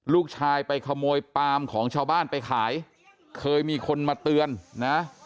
ลูกชายไปขโมยปามของชาวบ้านไปขายเคยมีคนมาเตือนนะ